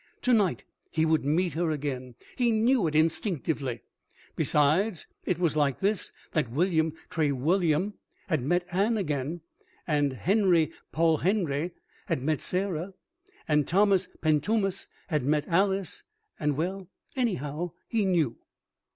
To night he would meet her again. He knew it instinctively. Besides, it was like this that William Trewulliam had met Anne again, and Henry Polhenery had met Sarah, and Thomas Pentummas had met Alice, and well, anyhow he knew.